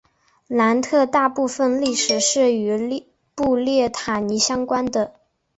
南特大部分历史是与布列塔尼相关的。